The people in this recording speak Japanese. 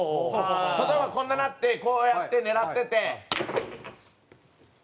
例えばこんなになってこうやって狙ってて。